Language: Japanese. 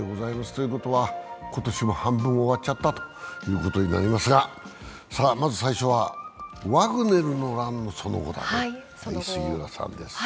ということは今年も半分終わっちゃったということになりますがまず最初はワグネルの乱のその後だと。